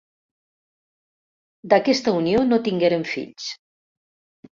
D'aquesta unió no tingueren fills.